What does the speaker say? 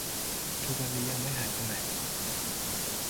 ทุกวันนี้ยังไม่หายไปไหน